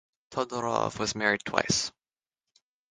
Todorov was married twice.